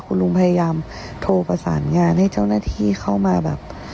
คุณลุงพยายามโทรประสานงานให้เจ้าหน้าที่เข้ามาแบบ